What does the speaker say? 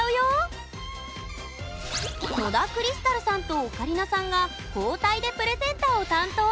野田クリスタルさんとオカリナさんが交代でプレゼンターを担当。